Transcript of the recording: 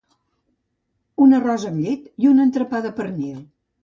Un arròs amb llet i un entrepà de pernil.